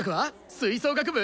吹奏楽部？